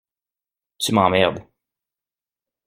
Tu m’emmerdes.